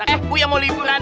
eh buya mau liburan